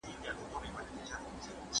حقیقت تر تخیل ډېر مهم دی.